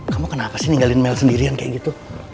kamu kenapa sih ninggalin mell sendirian kayak gitu